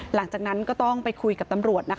หลังจากนั้นก็ต้องไปคุยกับตำรวจนะคะ